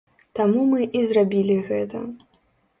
Таму мы і зрабілі гэта.